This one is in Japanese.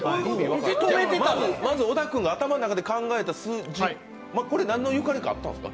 まず小田君が頭の中で考えた数字、これ何のゆかりかあったんですか？